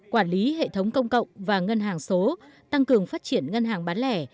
quản lý hệ thống công cộng và ngân hàng số tăng cường phát triển ngân hàng bán lẻ